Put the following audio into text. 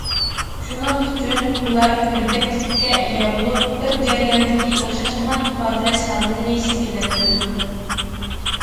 شۇنىڭ ئۈچۈن، ئۇلار بىردەكلىككە ئىگە بولۇپ، بىر جەرياندىكى ئوخشاشمىغان ئىپادىلەش ھالىتىنى شەكىللەندۈرىدۇ.